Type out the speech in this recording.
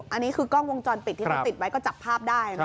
อันนี้คือกล้องวงจรปิดที่เขาติดไว้ก็จับภาพได้